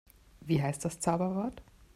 Wie heißt das Zauberwort?